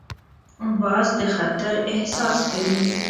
باز د خطر احساس کوي